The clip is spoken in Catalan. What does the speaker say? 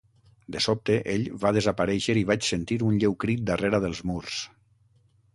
De sobte, ell va desaparèixer i vaig sentir un lleu crit darrera dels murs.